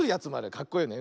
かっこいいよね。